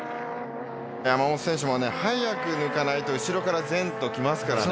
山本選手も早く抜かないと後ろからゼント来ますからね。